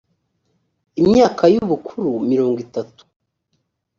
imyaka y ubukuru mirongo itatu